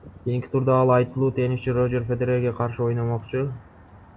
Кийинки турда ал айтылуу теннисчи Рожер Федерерге каршы ойномокчу.